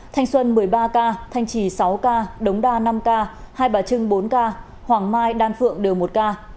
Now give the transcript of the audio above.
thanh xuân một mươi ba ca thanh trì sáu ca đống đa năm ca hai bà trưng bốn ca hoàng mai đan phượng đều một ca